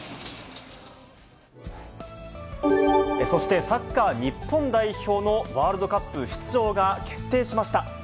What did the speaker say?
そして、サッカー日本代表のワールドカップ出場が決定しました。